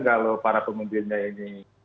kalau para pemimpinnya ini